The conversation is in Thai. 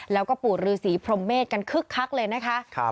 แล้วก็ปู่ฤษีพรมเมษกันคึกคักเลยนะคะ